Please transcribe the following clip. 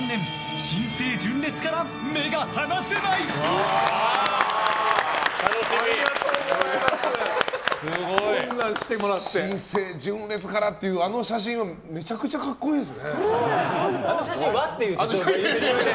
新生純烈からってあの写真めちゃくちゃ格好いいですね。